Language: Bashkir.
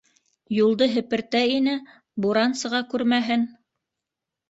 Юлды һепертә ине, буран сыға күрмәһен...